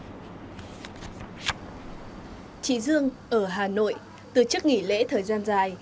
chị dương ở hà nội từ chức nghỉ lễ thời gian dài